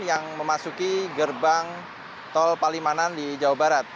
yang memasuki gerbang tol palimanan di jawa barat